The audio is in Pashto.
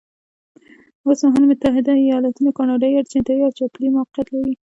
اوس مهال متحده ایالتونه، کاناډا، ارجنټاین او چیلي موقعیت لري.